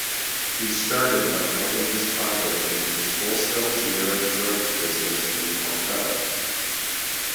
He started by helping his father in his wholesale generic drugs business in Kolkata.